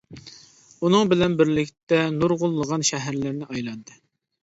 ئۇنىڭ بىلەن بىرلىكتە نۇرغۇنلىغان شەھەرلەرنى ئايلاندى.